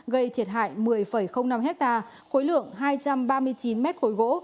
gây thiệt hại một mươi năm ha khối lượng hai trăm ba mươi chín m ba gỗ